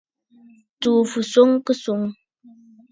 Tsùù fɨswo kɨswoŋǝ.